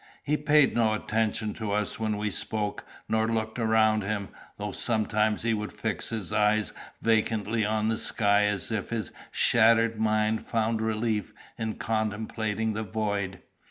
He paid no attention to us when we spoke, nor looked around him, though sometimes he would fix his eyes vacantly on the sky as if his shattered mind found relief in contemplating the void.